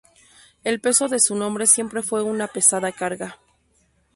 El peso de su nombre siempre fue una pesada carga.